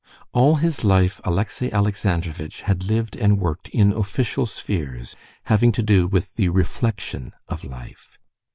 All his life Alexey Alexandrovitch had lived and worked in official spheres, having to do with the reflection of life.